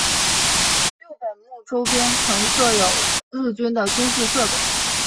六本木周边曾设有日军的军事设施。